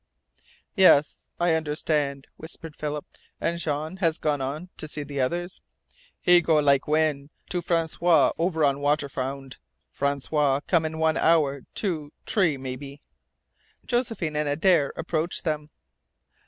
"Yes I understand," whispered Philip, "And Jean has gone on to see others?" "He go lak win' to Francois over on Waterfound. Francois come in one hour two, t'ree, mebby." Josephine and Adare approached them.